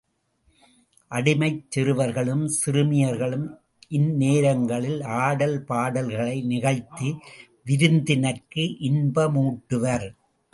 அடிமைச் சிறுவர்களும் சிறுமியர்களும், இந்நேரங்களில் ஆடல் பாடல்களை நிகழ்த்தி விருந்தினர்க்கு இன்பமூட்டுவர்.